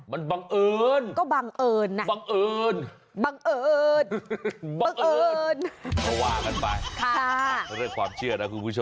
มันบังเอิญบังเอิญ